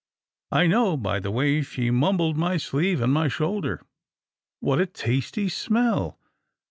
I know by the way she mumbled my sleeve and my shoulder — What a tasty smell